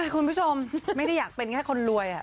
คุณผู้ชมไม่ได้อยากเป็นแค่คนรวย